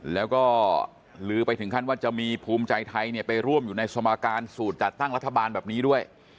แล้วก็ลือไปถึงขั้นว่าจะมีภูมิใจไทยไปร่วมอยู่ในสมการสูตรจัดตั้งรัฐบาลแบบนี้ด้วย